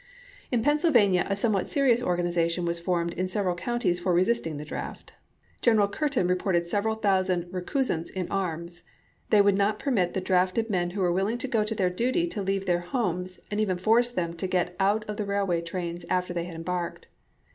In Pennsylvania a somewhat serious organization was formed in several counties for resisting the draft. Governor Curtin reported several thousand recusants in arms. They would not permit the drafted men who were willing to go to their duty to leave their homes, and even forced them to get out of the railway trains after they had embarked.